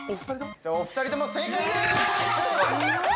お二人とも正解です。